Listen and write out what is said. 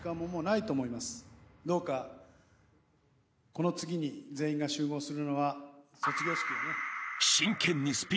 この次に全員が集合するのは卒業式だね。